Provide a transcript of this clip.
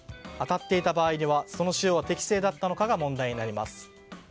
当たっていた場合ではその使用は適正だったのかが問題になります。